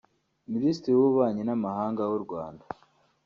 Minisitiri w’Ububanyi n’Amahanga w’u Rwanda